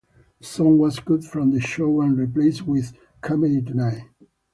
The song was cut from the show and replaced with Comedy Tonight.